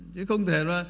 chứ không thể là